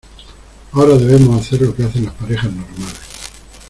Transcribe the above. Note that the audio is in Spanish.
ahora debemos hacer lo que hacen las parejas normales.